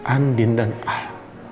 andin dan al